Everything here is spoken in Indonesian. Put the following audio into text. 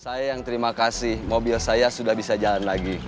sayang terima kasih mobil saya sudah bisa jalan lagi